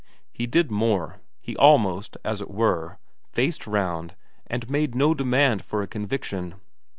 He did more; he almost, as it were, faced round, and made no demand for a conviction.